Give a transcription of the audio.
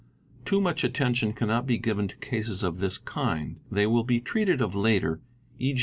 Too much attention cannot be given to cases of this kind; they 5 will be treated of later, e.